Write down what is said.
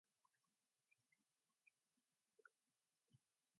Had he remained healthy he would likely have become president of his railroad.